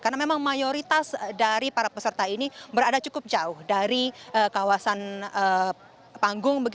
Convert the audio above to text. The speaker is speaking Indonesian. karena memang mayoritas dari para peserta ini berada cukup jauh dari kawasan panggung